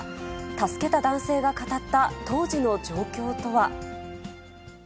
助けた男性が語った当時の状況とは。